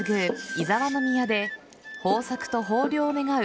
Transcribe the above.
伊雑宮で豊作と豊漁を願う